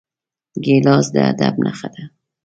ګیلاس د ادب نښه ده.